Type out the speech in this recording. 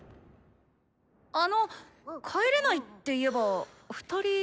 あのっ帰れないっていえば２人。